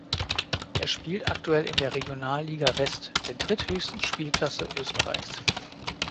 Er spielt aktuell in der Regionalliga West, der dritthöchsten Spielklasse Österreichs.